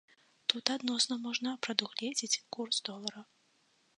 Тут адносна можна прадугледзець курс долара.